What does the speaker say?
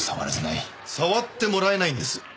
触ってもらえないんです。